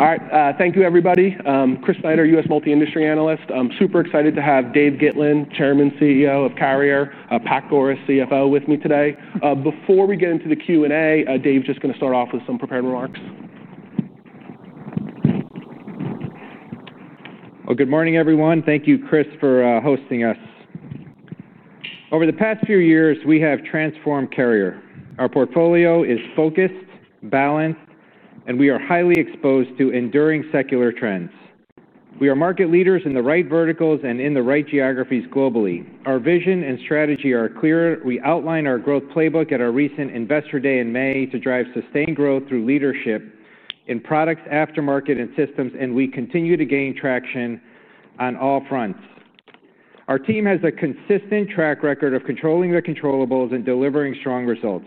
All right. Thank you, everybody. Chris Snyder, U.S. Multi-Industry Analyst. I'm super excited to have David Gitlin, Chairman and CEO of Carrier, Patrick Goris, CFO, with me today. Before we get into the Q&A, Dave, just going to start off with some prepared remarks. Good morning, everyone. Thank you, Chris, for hosting us. Over the past few years, we have transformed Carrier. Our portfolio is focused, balanced, and we are highly exposed to enduring secular trends. We are market leaders in the right verticals and in the right geographies globally. Our vision and strategy are clear. We outlined our growth playbook at our recent Investor Day in May to drive sustained growth through leadership in products, aftermarket, and systems, and we continue to gain traction on all fronts. Our team has a consistent track record of controlling the controllables and delivering strong results.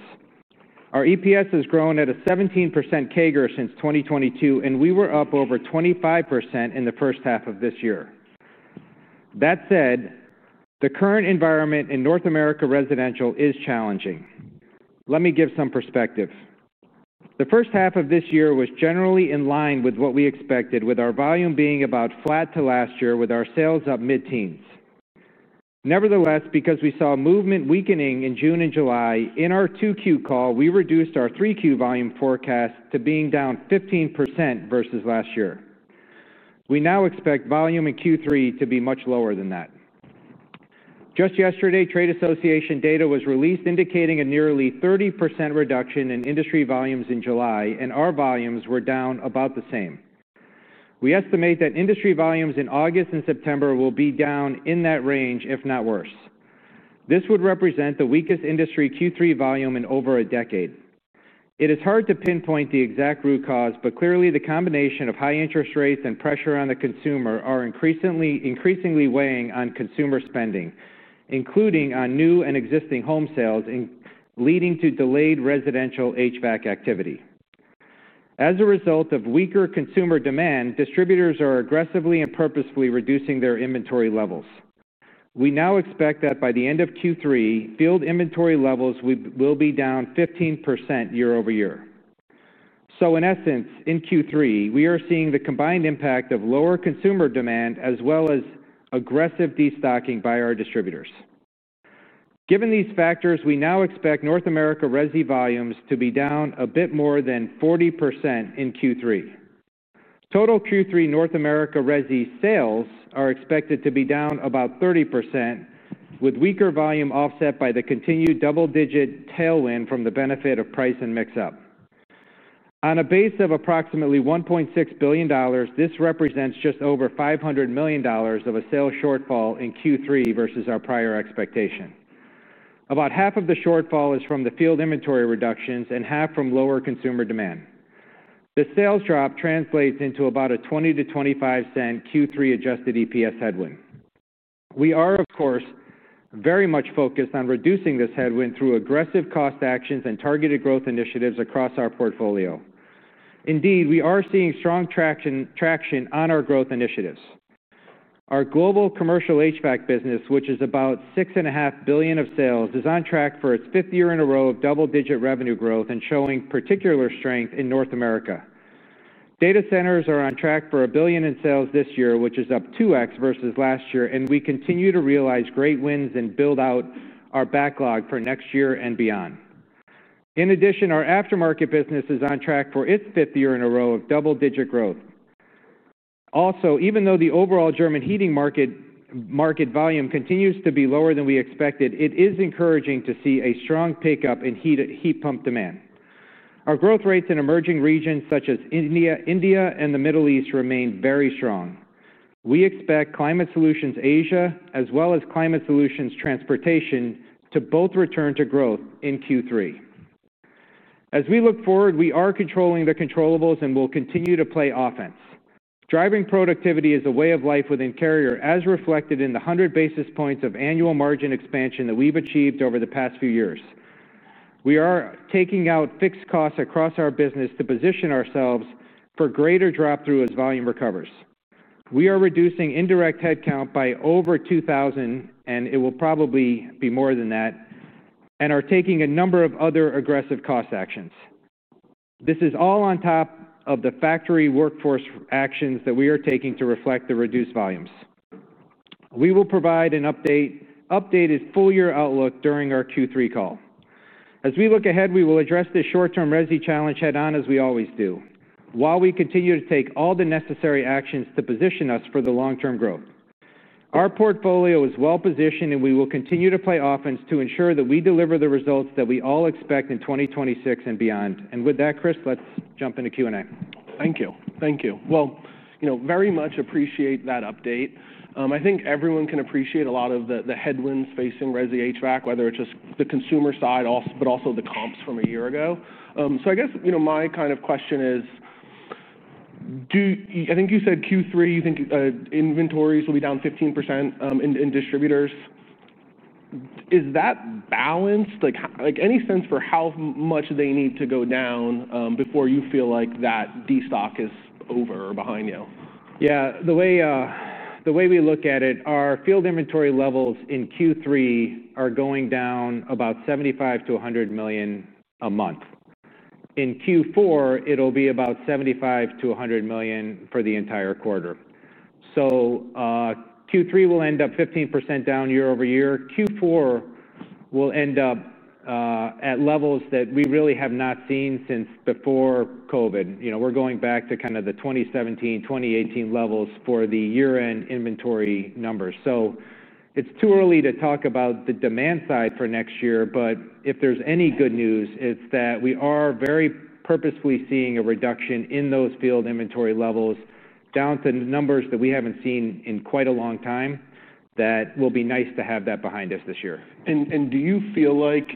Our EPS has grown at a 17% CAGR since 2022, and we were up over 25% in the first half of this year. That said, the current environment in North America residential is challenging. Let me give some perspective. The first half of this year was generally in line with what we expected, with our volume being about flat to last year, with our sales up mid-teens. Nevertheless, because we saw movement weakening in June and July, in our Q2 call, we reduced our Q3 volume forecast to being down 15% versus last year. We now expect volume in Q3 to be much lower than that. Just yesterday, trade association data was released indicating a nearly 30% reduction in industry volumes in July, and our volumes were down about the same. We estimate that industry volumes in August and September will be down in that range, if not worse. This would represent the weakest industry Q3 volume in over a decade. It is hard to pinpoint the exact root cause, but clearly the combination of high interest rates and pressure on the consumer is increasingly weighing on consumer spending, including on new and existing home sales, leading to delayed residential HVAC activity. As a result of weaker consumer demand, distributors are aggressively and purposefully reducing their inventory levels. We now expect that by the end of Q3, build inventory levels will be down 15% year-over-year. In essence, in Q3, we are seeing the combined impact of lower consumer demand as well as aggressive destocking by our distributors. Given these factors, we now expect North America resi volumes to be down a bit more than 40% in Q3. Total Q3 North America resi sales are expected to be down about 30%, with weaker volume offset by the continued double-digit tailwind from the benefit of price and mix-up. On a base of approximately $1.6 billion, this represents just over $500 million of a sales shortfall in Q3 versus our prior expectation. About half of the shortfall is from the field inventory reductions and half from lower consumer demand. The sales drop translates into about a $0.20-$0.25 Q3 adjusted EPS headwind. We are, of course, very much focused on reducing this headwind through aggressive cost actions and targeted growth initiatives across our portfolio. Indeed, we are seeing strong traction on our growth initiatives. Our global commercial HVAC business, which is about $6.5 billion of sales, is on track for its fifth year in a row of double-digit revenue growth and showing particular strength in North America. Data centers are on track for $1 billion in sales this year, which is up 2x versus last year, and we continue to realize great wins and build out our backlog for next year and beyond. In addition, our aftermarket business is on track for its fifth year in a row of double-digit growth. Also, even though the overall German heating market volume continues to be lower than we expected, it is encouraging to see a strong pickup in heat pump demand. Our growth rates in emerging regions such as India and the Middle East remain very strong. We expect Climate Solutions Asia as well as Climate Solutions Transportation to both return to growth in Q3. As we look forward, we are controlling the controllables and will continue to play offense. Driving productivity is a way of life within Carrier, as reflected in the 100 basis points of annual margin expansion that we've achieved over the past few years. We are taking out fixed costs across our business to position ourselves for greater drop-through as volume recovers. We are reducing indirect headcount by over 2,000, and it will probably be more than that, and are taking a number of other aggressive cost actions. This is all on top of the factory workforce actions that we are taking to reflect the reduced volumes. We will provide an updated full year outlook during our Q3 call. As we look ahead, we will address the short-term resi challenge head-on as we always do, while we continue to take all the necessary actions to position us for the long-term growth. Our portfolio is well-positioned, and we will continue to play offense to ensure that we deliver the results that we all expect in 2026 and beyond. With that, Chris, let's jump into Q&A. Thank you. Thank you. I very much appreciate that update. I think everyone can appreciate a lot of the headwinds facing resi HVAC, whether it's just the consumer side, but also the comps from a year ago. I guess my kind of question is, I think you said Q3, you think inventories will be down 15% in distributors. Is that balanced? Any sense for how much they need to go down before you feel like that destocking is over or behind you? Yeah, the way we look at it, our field inventory levels in Q3 are going down about $75 million-$100 million a month. In Q4, it'll be about $75 million-$100 million for the entire quarter. Q3 will end up 15% down year-over-year. Q4 will end up at levels that we really have not seen since before COVID. We're going back to kind of the 2017, 2018 levels for the year-end inventory numbers. It's too early to talk about the demand side for next year, but if there's any good news, it's that we are very purposefully seeing a reduction in those field inventory levels down to numbers that we haven't seen in quite a long time. That will be nice to have that behind us this year. Do you feel like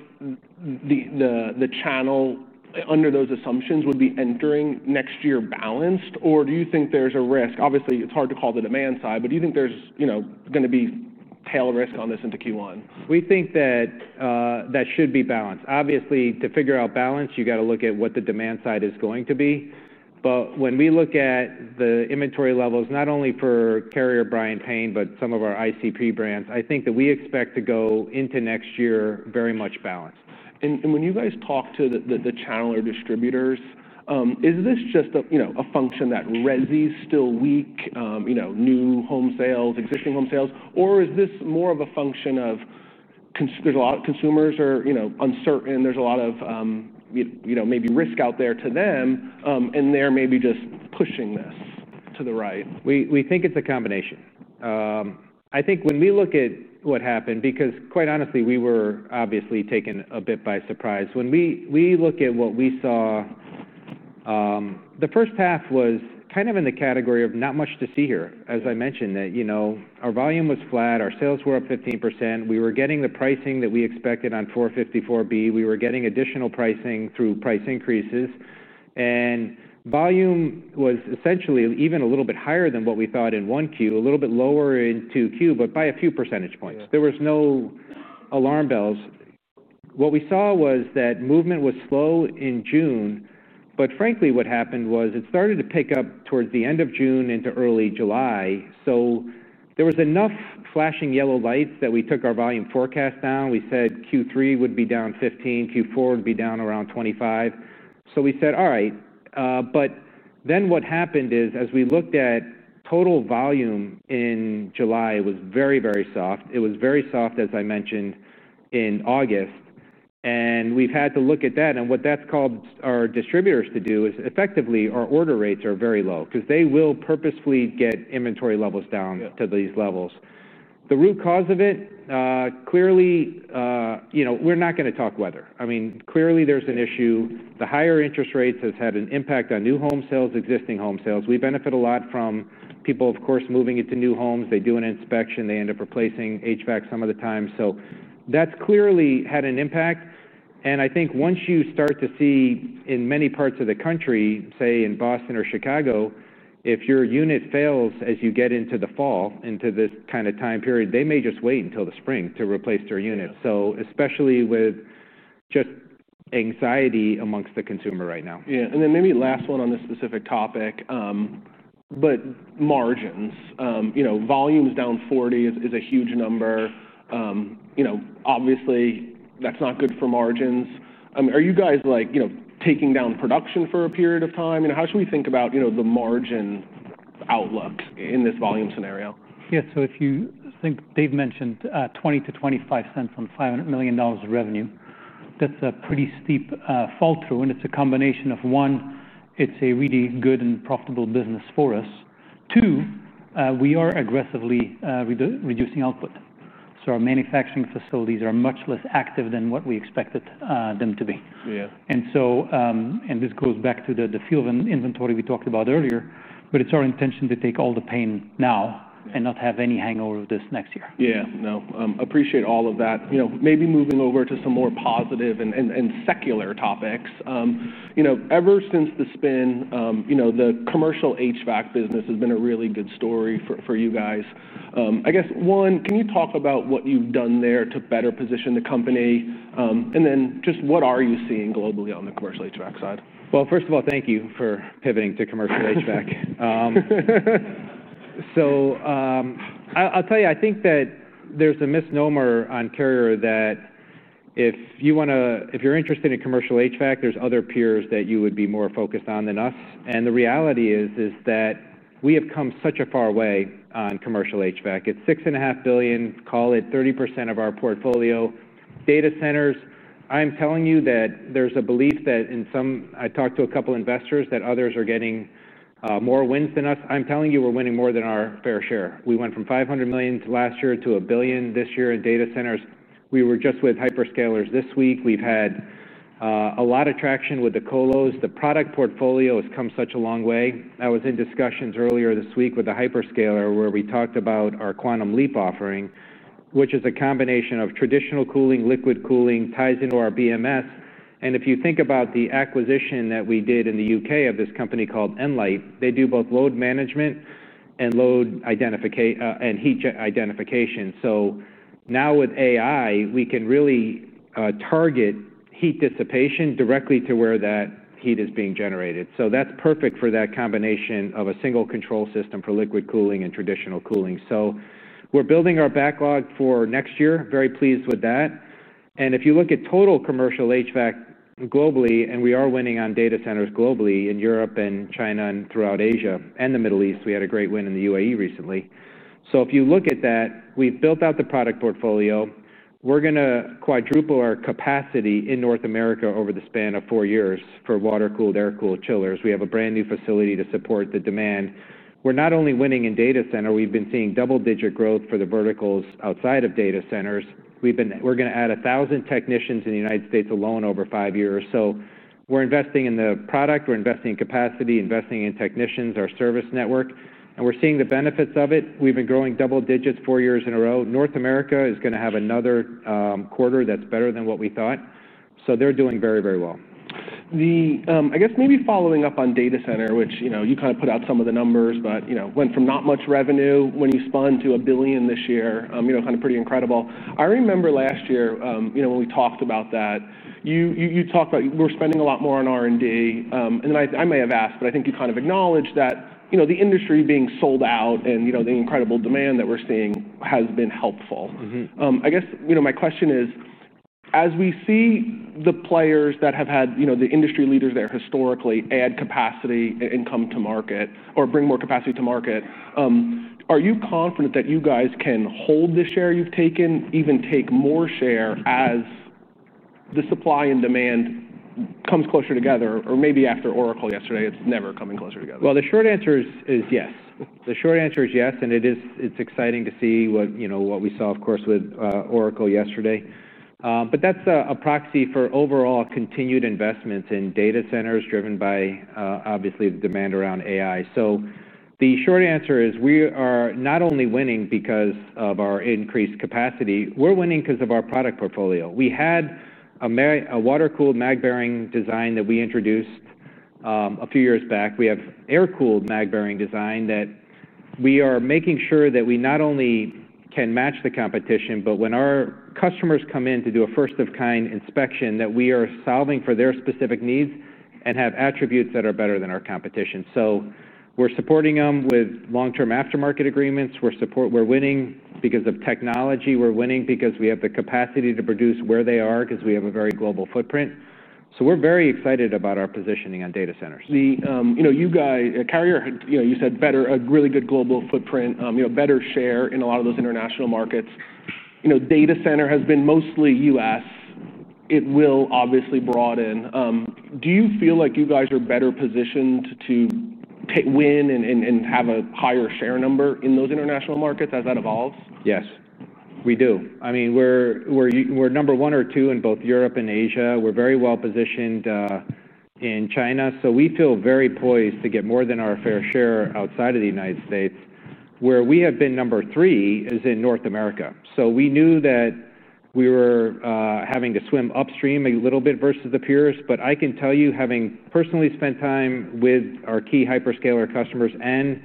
the channel under those assumptions would be entering next year balanced, or do you think there's a risk? Obviously, it's hard to call the demand side, but do you think there's going to be tail risk on this into Q1? We think that that should be balanced. Obviously, to figure out balance, you got to look at what the demand side is going to be. When we look at the inventory levels, not only for Carrier brand paint, but some of our ICP brands, I think that we expect to go into next year very much balanced. When you guys talk to the channel or distributors, is this just a function that resi is still weak, new home sales, existing home sales, or is this more of a function of there's a lot of consumers or uncertain, there's a lot of maybe risk out there to them, and they're maybe just pushing this to the right? We think it's a combination. I think when we look at what happened, because quite honestly, we were obviously taken a bit by surprise. When we look at what we saw, the first half was kind of in the category of not much to see here. As I mentioned, our volume was flat, our sales were up 15%, we were getting the pricing that we expected on 454B, we were getting additional pricing through price increases, and volume was essentially even a little bit higher than what we thought in Q1, a little bit lower in Q2, but by a few percentage points. There were no alarm bells. What we saw was that movement was slow in June, but frankly, what happened was it started to pick up towards the end of June into early July. There were enough flashing yellow lights that we took our volume forecast down. We said Q3 would be down 15%, Q4 would be down around 25%. We said, all right. But then what happened is as we looked at total volume in July, it was very, very soft. It was very soft, as I mentioned, in August. We've had to look at that. What that's called our distributors to do is effectively our order rates are very low because they will purposefully get inventory levels down to these levels. The root cause of it, clearly, we're not going to talk weather. I mean, clearly there's an issue. The higher interest rates have had an impact on new home sales, existing home sales. We benefit a lot from people, of course, moving into new homes. They do an inspection, they end up replacing HVAC some of the time. That's clearly had an impact. I think once you start to see in many parts of the country, say in Boston or Chicago, if your unit fails as you get into the fall, into this kind of time period, they may just wait until the spring to replace their unit, especially with just anxiety amongst the consumer right now. Yeah, and then maybe last one on this specific topic, but margins, you know, volume is down 40% is a huge number. You know, obviously that's not good for margins. Are you guys, like, you know, taking down production for a period of time? You know, how should we think about, you know, the margin outlook in this volume scenario? Yeah, so if you think, Dave mentioned $0.20-$0.25 on $500 million of revenue, that's a pretty steep fall through, and it's a combination of one, it's a really good and profitable business for us. Two, we are aggressively reducing output. Our manufacturing facilities are much less active than what we expected them to be. This goes back to the field inventory we talked about earlier, but it's our intention to take all the pain now and not have any hangover of this next year. Yeah, no, appreciate all of that. Maybe moving over to some more positive and secular topics. Ever since the spin, the commercial HVAC business has been a really good story for you guys. I guess, one, can you talk about what you've done there to better position the company? Then just what are you seeing globally on the commercial HVAC side? First of all, thank you for pivoting to commercial HVAC. I think that there's a misnomer on Carrier that if you want to, if you're interested in commercial HVAC, there are other peers that you would be more focused on than us. The reality is that we have come such a far way on commercial HVAC. It's $6.5 billion, call it 30% of our portfolio. Data centers, I'm telling you that there's a belief that in some, I talked to a couple of investors that others are getting more wins than us. I'm telling you we're winning more than our fair share. We went from $500 million last year to $1 billion this year in data centers. We were just with hyperscalers this week. We've had a lot of traction with the colos. The product portfolio has come such a long way. I was in discussions earlier this week with a hyperscaler where we talked about our QuantumLeap offering, which is a combination of traditional cooling, liquid cooling, ties into our BMS. If you think about the acquisition that we did in the UK of this company called Nlyte, they do both load management and load identification and heat identification. Now with AI, we can really target heat dissipation directly to where that heat is being generated. That's perfect for that combination of a single control system for liquid cooling and traditional cooling. We're building our backlog for next year, very pleased with that. If you look at total commercial HVAC globally, we are winning on data centers globally in Europe and China and throughout Asia and the Middle East. We had a great win in the UAE recently. If you look at that, we've built out the product portfolio. We're going to quadruple our capacity in North America over the span of four years for water-cooled, air-cooled chillers. We have a brand new facility to support the demand. We're not only winning in data center, we've been seeing double-digit growth for the verticals outside of data centers. We're going to add 1,000 technicians in the United States alone over five years. We're investing in the product, we're investing in capacity, investing in technicians, our service network, and we're seeing the benefits of it. We've been growing double digits four years in a row. North America is going to have another quarter that's better than what we thought. They're doing very, very well. I guess maybe following up on data centers, which, you know, you kind of put out some of the numbers, but, you know, went from not much revenue when you spun to $1 billion this year, you know, kind of pretty incredible. I remember last year, you know, when we talked about that, you talked about we're spending a lot more on R&D. I may have asked, but I think you kind of acknowledged that, you know, the industry being sold out and, you know, the incredible demand that we're seeing has been helpful. I guess, my question is, as we see the players that have had, you know, the industry leaders there historically add capacity and come to market or bring more capacity to market, are you confident that you guys can hold the share you've taken, even take more share as the supply and demand comes closer together? Or maybe after Oracle yesterday, it's never coming closer together? The short answer is yes, and it is exciting to see what we saw, of course, with Oracle yesterday. That's a proxy for overall continued investments in data centers driven by, obviously, the demand around AI. The short answer is we are not only winning because of our increased capacity, we're winning because of our product portfolio. We had a water-cooled mag bearing design that we introduced a few years back. We have an air-cooled mag bearing design that we are making sure that we not only can match the competition, but when our customers come in to do a first-of-kind inspection, we are solving for their specific needs and have attributes that are better than our competition. We're supporting them with long-term aftermarket agreements. We're winning because of technology. We're winning because we have the capacity to produce where they are, because we have a very global footprint. We're very excited about our positioning on data centers. You know, Carrier, you said better, a really good global footprint, better share in a lot of those international markets. Data center has been mostly U.S. It will obviously broaden. Do you feel like you guys are better positioned to win and have a higher share number in those international markets as that evolves? Yes, we do. I mean, we're number one or two in both Europe and Asia. We're very well positioned in China. We feel very poised to get more than our fair share outside of the United States. Where we have been number three is in North America. We knew that we were having to swim upstream a little bit versus the peers, but I can tell you, having personally spent time with our key hyperscaler customers and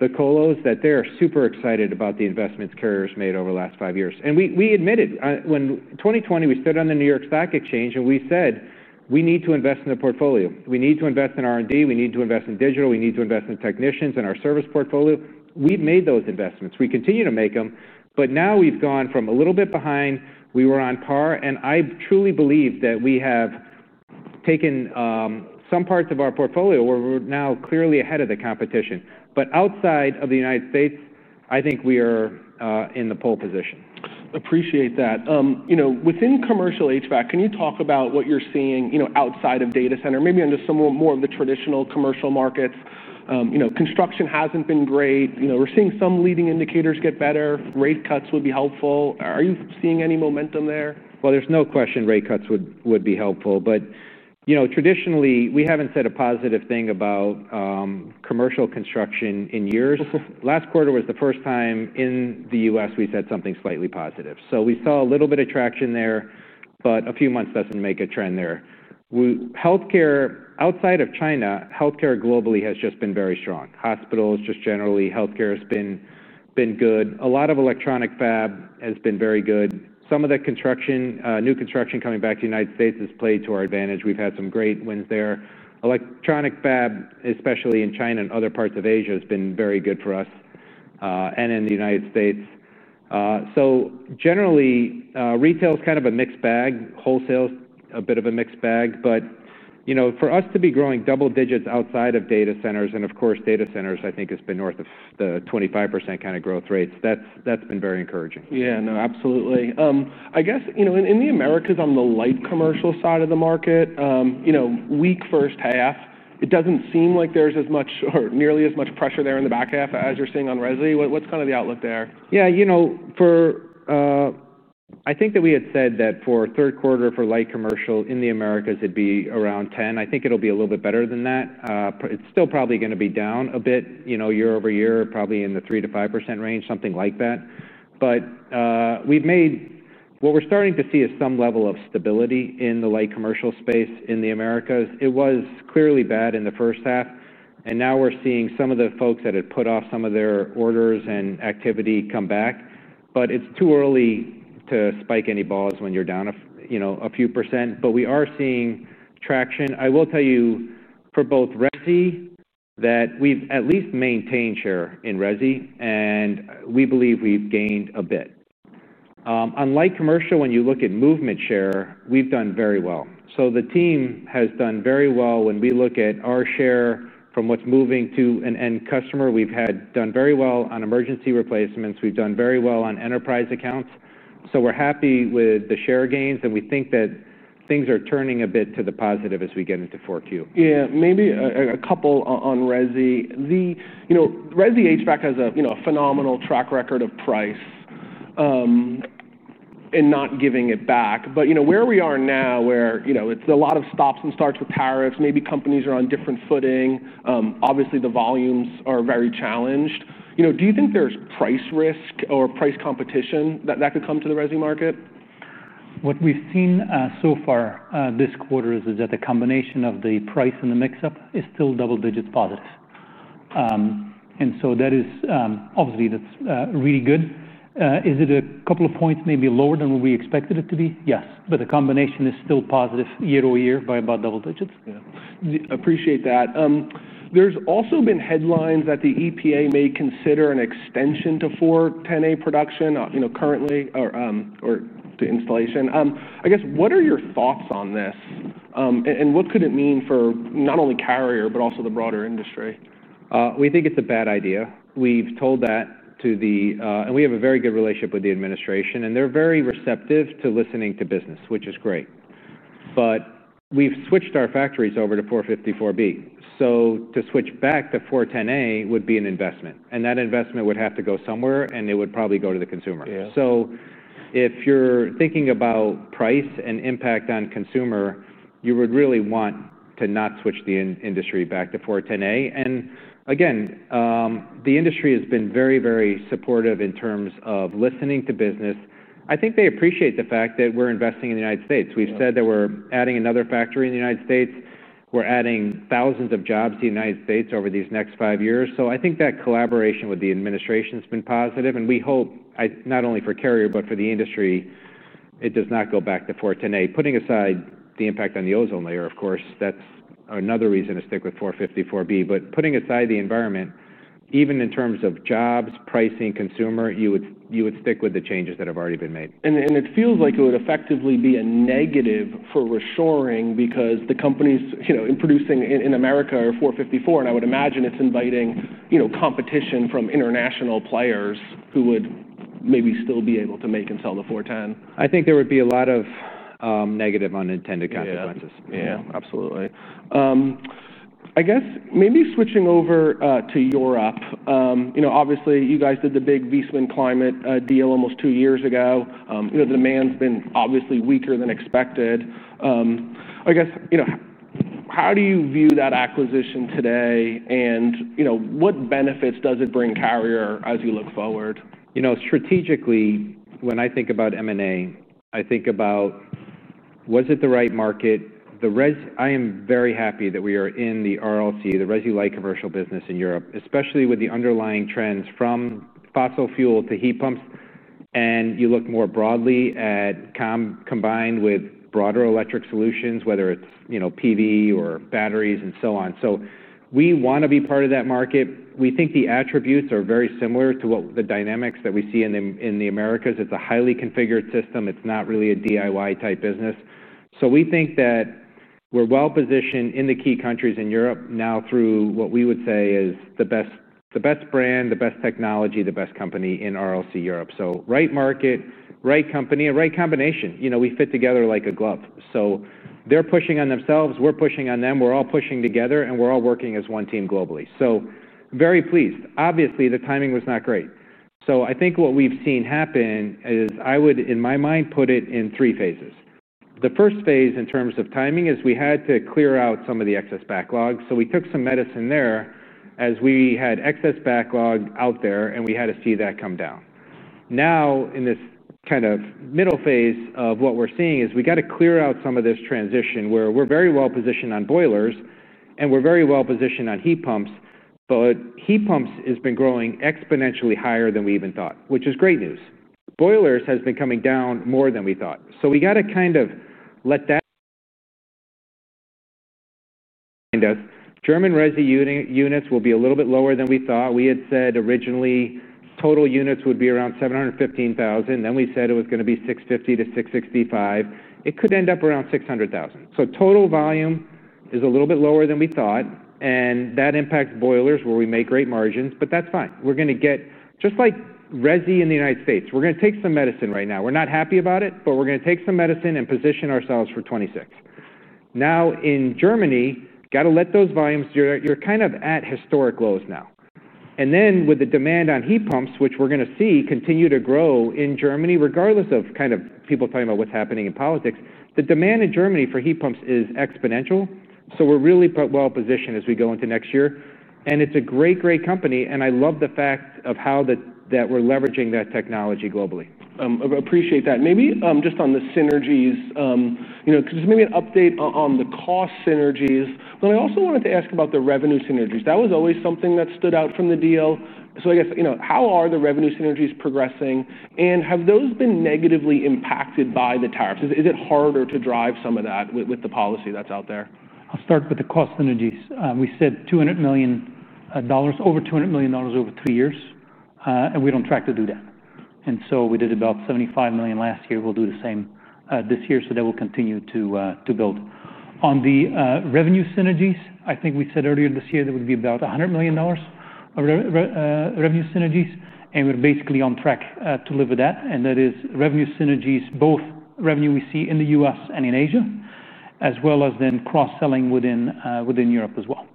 the colos, that they're super excited about the investments Carrier has made over the last five years. We admitted, when in 2020, we stood on the New York Stock Exchange and we said, we need to invest in the portfolio. We need to invest in R&D. We need to invest in digital. We need to invest in technicians and our service portfolio. We've made those investments. We continue to make them. Now we've gone from a little bit behind. We were on par. I truly believe that we have taken some parts of our portfolio where we're now clearly ahead of the competition. Outside of the United States, I think we are in the pole position. Appreciate that. Within commercial HVAC, can you talk about what you're seeing outside of data centers, maybe under some more of the traditional commercial markets? Construction hasn't been great. We're seeing some leading indicators get better. Rate cuts would be helpful. Are you seeing any momentum there? There is no question rate cuts would be helpful. Traditionally, we haven't said a positive thing about commercial construction in years. Last quarter was the first time in the U.S. we said something slightly positive. We saw a little bit of traction there, but a few months doesn't make a trend there. Healthcare, outside of China, healthcare globally has just been very strong. Hospitals, just generally, healthcare has been good. A lot of electronic fab has been very good. Some of the construction, new construction coming back to the United States has played to our advantage. We've had some great wins there. Electronic fab, especially in China and other parts of Asia, has been very good for us and in the United States. Generally, retail is kind of a mixed bag. Wholesale is a bit of a mixed bag. For us to be growing double digits outside of data centers, and of course, data centers, I think, has been north of the 25% kind of growth rates. That's been very encouraging. Yeah, no, absolutely. I guess, you know, in the Americas, on the light commercial side of the market, weak first half, it doesn't seem like there's as much or nearly as much pressure there in the back half as you're seeing on resi. What's kind of the outlook there? Yeah, you know, I think that we had said that for Q3 for light commercial in the Americas, it'd be around 10%. I think it'll be a little bit better than that. It's still probably going to be down a bit, you know, year-over-year, probably in the 3%-5% range, something like that. We've made, what we're starting to see is some level of stability in the light commercial space in the Americas. It was clearly bad in the first half. Now we're seeing some of the folks that had put off some of their orders and activity come back. It's too early to spike any balls when you're down a few percent. We are seeing traction. I will tell you, for both resi, that we've at least maintained share in resi. We believe we've gained a bit. On light commercial, when you look at movement share, we've done very well. The team has done very well when we look at our share from what's moving to an end customer. We've done very well on emergency replacements. We've done very well on enterprise accounts. We're happy with the share gains. We think that things are turning a bit to the positive as we get into Q4. Yeah, maybe a couple on resi. You know, resi HVAC has a phenomenal track record of price and not giving it back. Where we are now, it's a lot of stops and starts with tariffs, maybe companies are on different footing. Obviously, the volumes are very challenged. Do you think there's price risk or price competition that could come to the resi market? What we've seen so far this quarter is that the combination of the price and the mix-up is still double digits positive. That is obviously really good. Is it a couple of points maybe lower than what we expected it to be? Yes. The combination is still positive year-over-year by about double digits. Appreciate that. There's also been headlines that the EPA may consider an extension to 410A production, you know, currently, or to installation. I guess, what are your thoughts on this? What could it mean for not only Carrier, but also the broader industry? We think it's a bad idea. We've told that to the administration, and we have a very good relationship with the administration, and they're very receptive to listening to business, which is great. We've switched our factories over to 454B. To switch back to 410A would be an investment, and that investment would have to go somewhere, and it would probably go to the consumer. If you're thinking about price and impact on consumer, you would really want to not switch the industry back to 410A. And again, the industry has been very, very supportive in terms of listening to business. I think they appreciate the fact that we're investing in the United States. We've said that we're adding another factory in the United States. We're adding thousands of jobs to the United States over these next five years. I think that collaboration with the administration has been positive. We hope, not only for Carrier, but for the industry, it does not go back to 410A. Putting aside the impact on the ozone layer, of course, that's another reason to stick with 454B. Putting aside the environment, even in terms of jobs, pricing, consumer, you would stick with the changes that have already been made. It feels like it would effectively be a negative for reshoring because the companies, you know, in producing in America are 454. I would imagine it's inviting, you know, competition from international players who would maybe still be able to make and sell the 410. I think there would be a lot of negative unintended consequences. Yeah, absolutely. I guess maybe switching over to Europe, you know, obviously you guys did the big Viessmann Climate deal almost two years ago. You know, the demand's been obviously weaker than expected. I guess, you know, how do you view that acquisition today? You know, what benefits does it bring Carrier as you look forward? You know, strategically, when I think about M&A, I think about was it the right market? I am very happy that we are in the RLC, the Resi Light Commercial business in Europe, especially with the underlying trends from fossil fuel to heat pumps. You look more broadly at combined with broader electric solutions, whether it's PV or batteries and so on. We want to be part of that market. We think the attributes are very similar to the dynamics that we see in the Americas. It's a highly configured system. It's not really a DIY type business. We think that we're well positioned in the key countries in Europe now through what we would say is the best brand, the best technology, the best company in RLC Europe. Right market, right company, a right combination. We fit together like a glove. They're pushing on themselves, we're pushing on them, we're all pushing together, and we're all working as one team globally. Very pleased. Obviously, the timing was not great. I think what we've seen happen is I would, in my mind, put it in three phases. The first phase in terms of timing is we had to clear out some of the excess backlog. We took some medicine there as we had excess backlog out there, and we had to see that come down. Now, in this kind of middle phase of what we're seeing is we got to clear out some of this transition where we're very well positioned on boilers, and we're very well positioned on heat pumps, but heat pumps have been growing exponentially higher than we even thought, which is great news. Boilers have been coming down more than we thought. We got to kind of let that. German resi units will be a little bit lower than we thought. We had said originally total units would be around 715,000. Then we said it was going to be 650,000 units-665,000 units. It could end up around 600,000 units. Total volume is a little bit lower than we thought. That impacts boilers where we make great margins, but that's fine. We're going to get, just like resi in the United States, we're going to take some medicine right now. We're not happy about it, but we're going to take some medicine and position ourselves for 2026. In Germany, got to let those volumes do that. You're kind of at historic lows now. With the demand on heat pumps, which we're going to see continue to grow in Germany, regardless of people talking about what's happening in politics, the demand in Germany for heat pumps is exponential. We're really well positioned as we go into next year. It's a great, great company. I love the fact of how that we're leveraging that technology globally. Appreciate that. Maybe just on the synergies, you know, just maybe an update on the cost synergies. I also wanted to ask about the revenue synergies. That was always something that stood out from the deal. I guess, you know, how are the revenue synergies progressing? Have those been negatively impacted by the tariffs? Is it harder to drive some of that with the policy that's out there? I'll start with the cost synergies. We said $200 million, over $200 million over three years, and we're on track to do that. We did about $75 million last year. We'll do the same this year. That will continue to build. On the revenue synergies, I think we said earlier this year there would be about $100 million of revenue synergies, and we're basically on track to deliver that. That is revenue synergies, both revenue we see in the U.S. and in Asia, as well as cross-selling within Europe as well.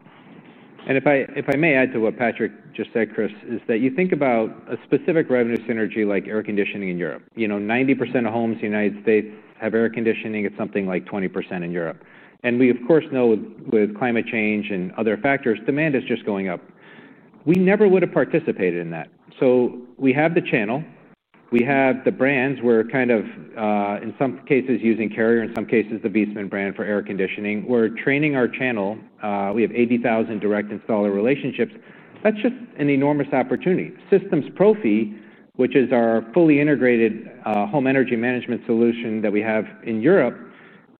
If I may add to what Patrick just said, Chris, you think about a specific revenue synergy like air conditioning in Europe. You know, 90% of homes in the U.S. have air conditioning. It's something like 20% in Europe. We, of course, know with climate change and other factors, demand is just going up. We never would have participated in that. We have the channel. We have the brands. We're kind of, in some cases, using Carrier, in some cases, the Viessmann brand for air conditioning. We're training our channel. We have 80,000 direct installer relationships. That's just an enormous opportunity. Systems Profi, which is our fully integrated home energy management solution that we have in Europe,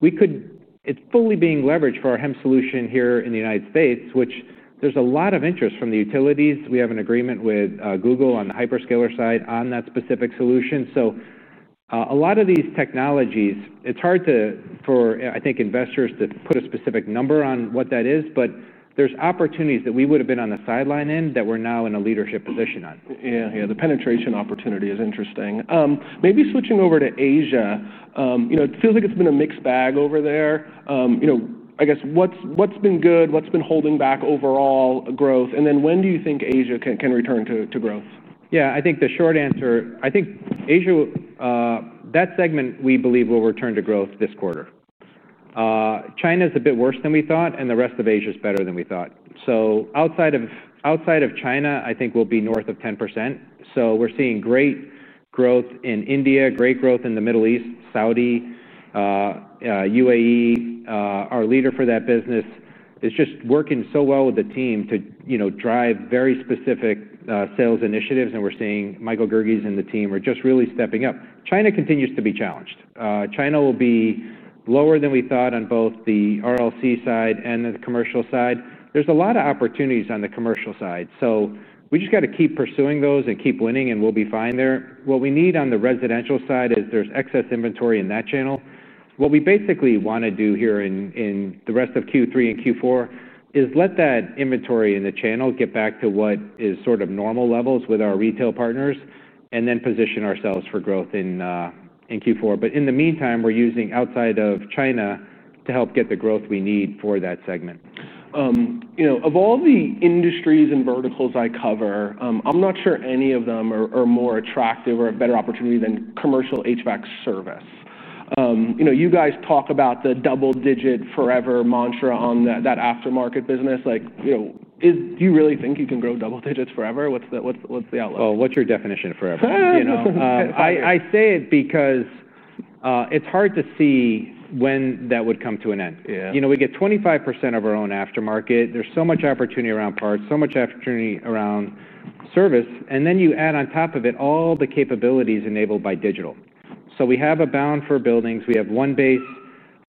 is fully being leveraged for our HEM solution here in the U.S., which there's a lot of interest from the utilities. We have an agreement with Google on the hyperscaler side on that specific solution. A lot of these technologies, it's hard for, I think, investors to put a specific number on what that is, but there are opportunities that we would have been on the sideline in that we're now in a leadership position on. Yeah, the penetration opportunity is interesting. Maybe switching over to Asia, it feels like it's been a mixed bag over there. I guess what's been good, what's been holding back overall growth, and when do you think Asia can return to growth? Yeah, I think the short answer, I think Asia, that segment we believe will return to growth this quarter. China is a bit worse than we thought, and the rest of Asia is better than we thought. Outside of China, I think we'll be north of 10%. We're seeing great growth in India, great growth in the Middle East, Saudi, UAE. Our leader for that business is just working so well with the team to drive very specific sales initiatives. We're seeing Michael Gieges and the team are just really stepping up. China continues to be challenged. China will be lower than we thought on both the RLC side and the commercial side. There are a lot of opportunities on the commercial side. We just got to keep pursuing those and keep winning, and we'll be fine there. What we need on the residential side is there's excess inventory in that channel. What we basically want to do here in the rest of Q3 and Q4 is let that inventory in the channel get back to what is sort of normal levels with our retail partners and then position ourselves for growth in Q4. In the meantime, we're using outside of China to help get the growth we need for that segment. You know, of all the industries and verticals I cover, I'm not sure any of them are more attractive or a better opportunity than commercial HVAC service. You know, you guys talk about the double-digit forever mantra on that aftermarket business. Like, you know, do you really think you can grow double digits forever? What's the outlook? Oh, what's your definition of forever? I say it because it's hard to see when that would come to an end. We get 25% of our own aftermarket. There's so much opportunity around parts, so much opportunity around service. You add on top of it all the capabilities enabled by digital. We have Abound for buildings. We have Onebase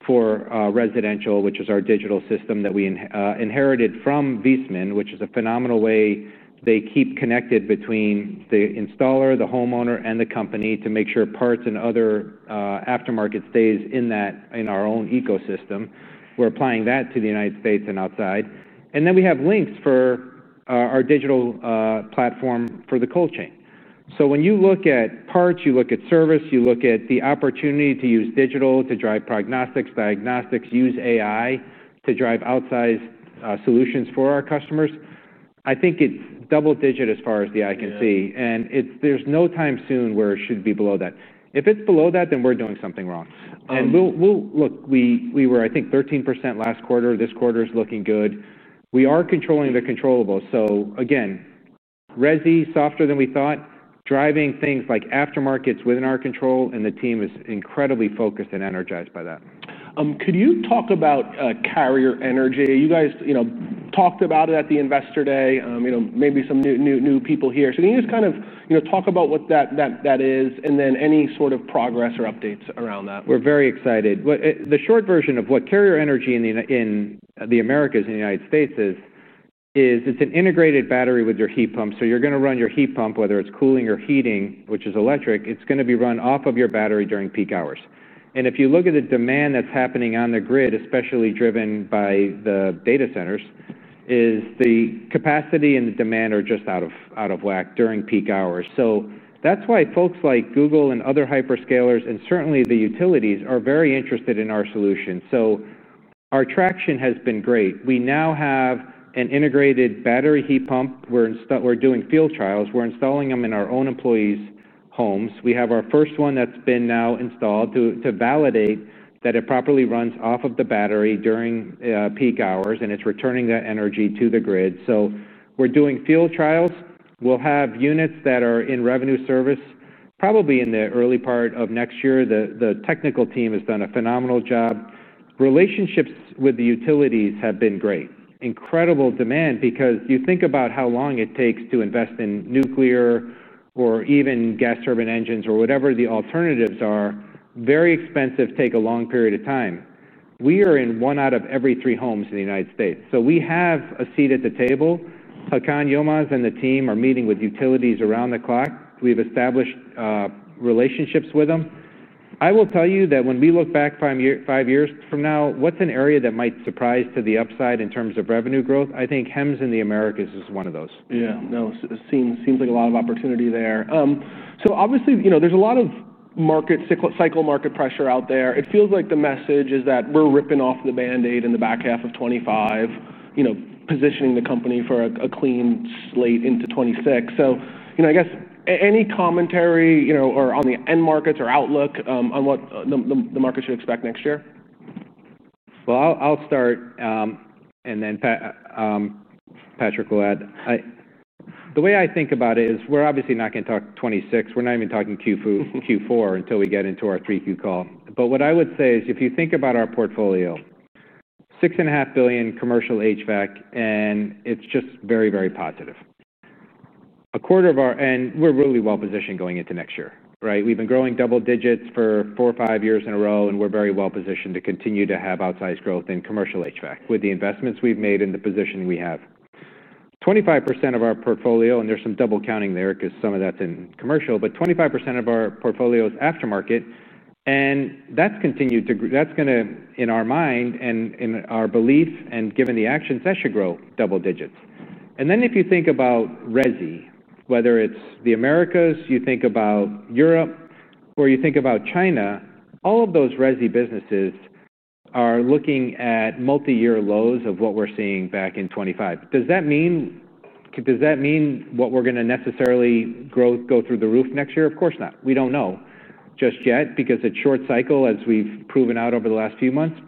for residential, which is our digital system that we inherited from Viessmann, which is a phenomenal way they keep connected between the installer, the homeowner, and the company to make sure parts and other aftermarket stays in our own ecosystem. We're applying that to the United States and outside. We have Lynx for our digital platform for the cold chain. When you look at parts, you look at service, you look at the opportunity to use digital to drive prognostics, diagnostics, use AI to drive outside solutions for our customers. I think it's double-digit as far as the eye can see. There's no time soon where it should be below that. If it's below that, then we're doing something wrong. We were, I think, 13% last quarter. This quarter is looking good. We are controlling the controllables. Resi is softer than we thought, driving things like aftermarket within our control, and the team is incredibly focused and energized by that. Could you talk about Carrier Energy? You guys talked about it at the Investor Day. Maybe some new people here. Can you just kind of talk about what that is and then any sort of progress or updates around that? We're very excited. The short version of what Carrier Energy in the Americas and the United States is, is it's an integrated battery with your heat pump. You are going to run your heat pump, whether it's cooling or heating, which is electric, it's going to be run off of your battery during peak hours. If you look at the demand that's happening on the grid, especially driven by the data centers, is the capacity and the demand are just out of whack during peak hours. That is why folks like Google and other hyperscalers and certainly the utilities are very interested in our solution. Our traction has been great. We now have an integrated battery heat pump. We're doing field trials. We're installing them in our own employees' homes. We have our first one that's been now installed to validate that it properly runs off of the battery during peak hours, and it's returning that energy to the grid. We're doing field trials. We'll have units that are in revenue service probably in the early part of next year. The technical team has done a phenomenal job. Relationships with the utilities have been great. Incredible demand because you think about how long it takes to invest in nuclear or even gas turbine engines or whatever the alternatives are. Very expensive. Take a long period of time. We are in one out of every three homes in the United States. We have a seat at the table. Hakan Yilmaz and the team are meeting with utilities around the clock. We've established relationships with them. I will tell you that when we look back five years from now, what's an area that might surprise to the upside in terms of revenue growth? I think HEMS in the Americas is one of those. Yeah, it seems like a lot of opportunity there. Obviously, there's a lot of market cycle market pressure out there. It feels like the message is that we're ripping off the Band-Aid in the back half of 2025, positioning the company for a clean slate into 2026. I guess any commentary or on the end markets or outlook on what the market should expect next year? I'll start and then Patrick will add. The way I think about it is we're obviously not going to talk 2026. We're not even talking Q4 until we get into our Q3 call. What I would say is if you think about our portfolio, $6.5 billion commercial HVAC, and it's just very, very positive. A quarter of our, and we're really well positioned going into next year, right? We've been growing double digits for four or five years in a row, and we're very well positioned to continue to have outsized growth in commercial HVAC with the investments we've made and the position we have. 25% of our portfolio, and there's some double counting there because some of that's in commercial, but 25% of our portfolio is aftermarket. That's continued to, that's going to, in our mind and in our belief and given the actions, that should grow double digits. If you think about resi, whether it's the Americas, you think about Europe, or you think about China, all of those resi businesses are looking at multi-year lows of what we're seeing back in 2025. Does that mean what we're going to necessarily grow go through the roof next year? Of course not. We don't know just yet because it's short cycle, as we've proven out over the last few months.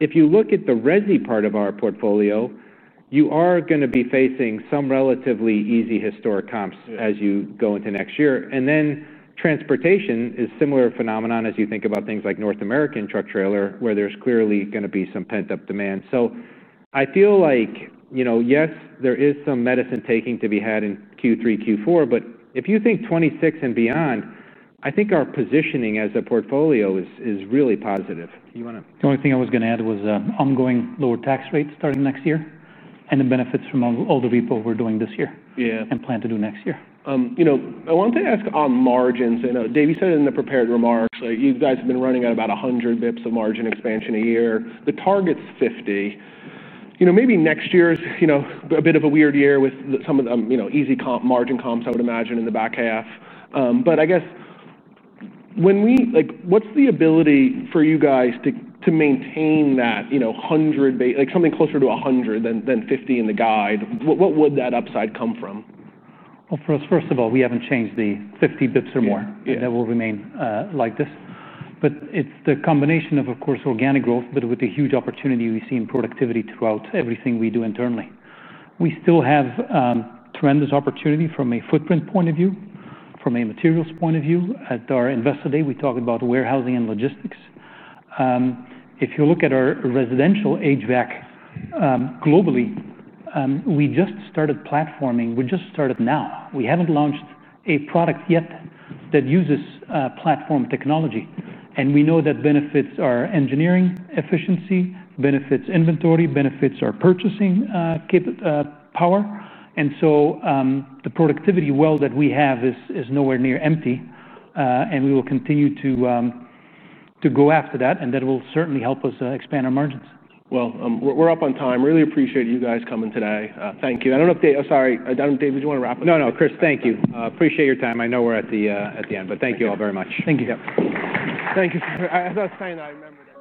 If you look at the resi part of our portfolio, you are going to be facing some relatively easy historic comps as you go into next year. Transportation is a similar phenomenon as you think about things like North American truck trailer, where there's clearly going to be some pent-up demand. I feel like, yes, there is some medicine taking to be had in Q3, Q4. If you think 2026 and beyond, I think our positioning as a portfolio is really positive. The only thing I was going to add was ongoing lower tax rates starting next year, and the benefits from all the repo we're doing this year and plan to do next year. I wanted to ask on margins. I know Dave said in the prepared remarks, you guys have been running at about 100 bps of margin expansion a year. The target's 50. Maybe next year's a bit of a weird year with some of the easy margin comps, I would imagine, in the back half. I guess, what's the ability for you guys to maintain that 100, like something closer to 100 than 50 in the guide? What would that upside come from? First of all, we haven't changed the 50 bps or more. That will remain like this. It's the combination of, of course, organic growth, but with the huge opportunity we see in productivity throughout everything we do internally. We still have tremendous opportunity from a footprint point of view, from a materials point of view. At our Investor Day, we talked about warehousing and logistics. If you look at our residential HVAC globally, we just started platforming. We just started now. We haven't launched a product yet that uses platform technology. We know that benefits our engineering efficiency, benefits inventory, benefits our purchasing power. The productivity well that we have is nowhere near empty. We will continue to go after that, and that will certainly help us expand our margins. We're up on time. Really appreciate you guys coming today. Thank you. I don't know if Dave, sorry, I don't know if Dave, did you want to wrap up? No, Chris, thank you. Appreciate your time. I know we're at the end, but thank you all very much. Thank you. Thank you. I thought it was fine. I remembered it.